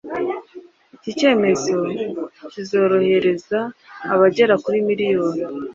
Iki cyemezo kizorohereza abagera kuri miliyoni